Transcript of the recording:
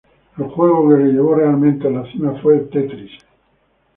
El juego que la llevó realmente a la cima fue el Tetris.